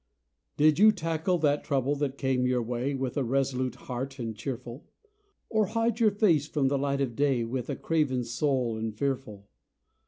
Did you tackle that trouble that came your way With a resolute heart and cheerful? Or hide your face from the light of day With a craven soul and fearful?